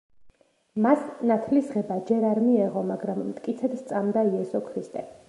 მას ნათლისღება ჯერ არ მიეღო, მაგრამ მტკიცედ სწამდა იესო ქრისტე.